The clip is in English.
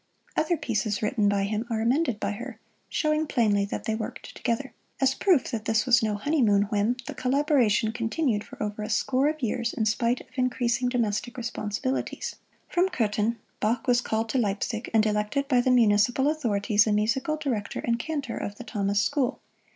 Other pieces written by him are amended by her, showing plainly that they worked together. As proof that this was no honeymoon whim, the collaboration continued for over a score of years, in spite of increasing domestic responsibilities. From Kothen, Bach was called to Leipzig and elected by the municipal authorities the Musical Director and Cantor of the Thomas School.